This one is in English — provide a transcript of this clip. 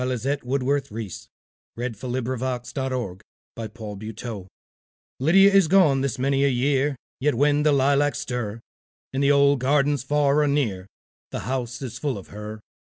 Lizette Woodworth Reese Lydia is gone this many a year LYDIA is gone this many a year, Yet when the lilacs stir, In the old gardens far or near, The house is full of her.